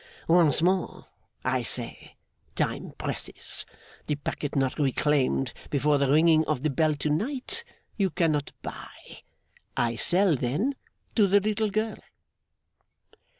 Once more I say, time presses. The packet not reclaimed before the ringing of the bell to night, you cannot buy. I sell, then, to the little girl!